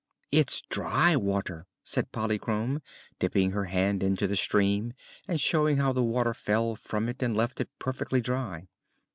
"It's dry water," said Polychrome, dipping her hand into the stream and showing how the water fell from it and left it perfectly dry.